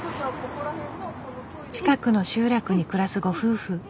近くの集落に暮らすご夫婦。